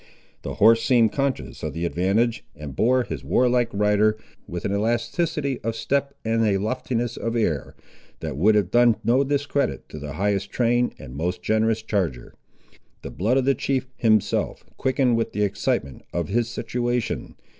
The horse seemed conscious of the advantage, and bore his warlike rider, with an elasticity of step and a loftiness of air, that would have done no discredit to the highest trained and most generous charger. The blood of the chief himself quickened with the excitement of his situation.